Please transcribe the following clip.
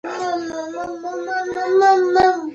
څو کاشوغه اوبه يې په خوله کښې راواچولې.